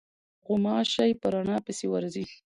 غوماشې په رڼا پسې ورځي.